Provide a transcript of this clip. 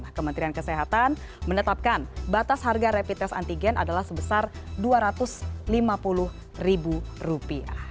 kementerian kesehatan menetapkan batas harga rapid test antigen adalah sebesar rp dua ratus lima puluh ribu rupiah